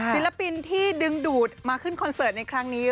ศิลปินที่ดึงดูดมาขึ้นคอนเสิร์ตในครั้งนี้